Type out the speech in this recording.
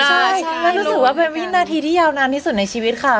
ใช่แล้วรู้สึกว่าเป็นวินาทีที่ยาวนานที่สุดในชีวิตค่ะ